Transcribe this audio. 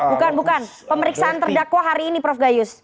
bukan bukan pemeriksaan terdakwa hari ini prof gayus